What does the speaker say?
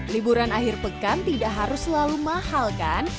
liburan akhir pekan tidak harus selalu mahal kan